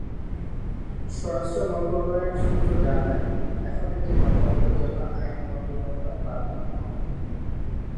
স্বরাষ্ট্র মন্ত্রণালয় সূত্র জানায়, এখন এটি মতামতের জন্য আইন মন্ত্রণালয়ে পাঠানো হবে।